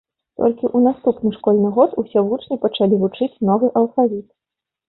Толькі ў наступны школьны год усе вучні пачалі вучыць новы алфавіт.